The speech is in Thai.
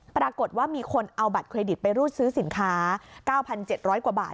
ปรากฏว่ามีคนเอาบัตรเครดิตไปรูดซื้อสินค้าเก้าพันเจ็ดร้อยกว่าบาท